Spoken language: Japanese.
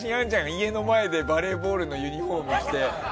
家の前でバレーボールのユニフォーム着て。